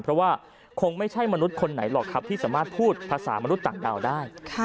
เพราะว่าคงไม่ใช่มนุษย์คนไหนหรอกครับที่สามารถพูดภาษามนุษย์ต่างดาวได้